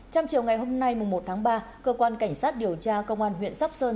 trong chiều ngày hôm nay một tháng ba cơ quan cảnh sát điều tra công an huyện sóc sơn